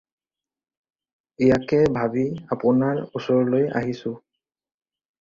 ইয়াকে ভাবি আপোনাৰ ওচৰলৈ আহিছোঁ।